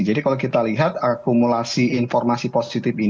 jadi kalau kita lihat akumulasi informasi positif